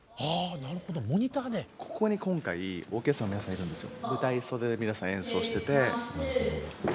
ここに今回オーケストラの皆さんがいるんですよ。